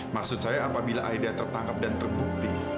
maksud saya apabila aida tertangkap dan terbukti